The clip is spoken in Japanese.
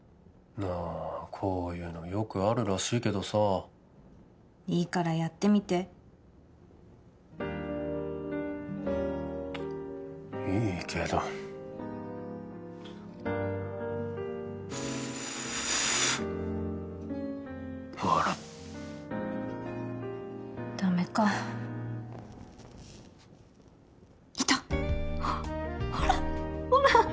なあこういうのよくあるらしいけどさいいからやってみていいけどほらダメかいたほらほら